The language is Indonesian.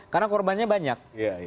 karena korbannya banyak